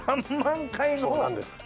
そうなんです。